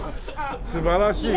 素晴らしいね。